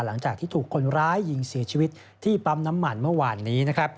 หลังจากที่ถูกคนร้ายยิงเสียชีวิตที่ปั๊มน้ำมันเมื่อวานนี้